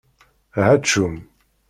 Ɛačum!